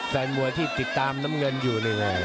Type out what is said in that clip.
แฟนมวยที่ติดตามน้ำเงินอยู่นี่ไง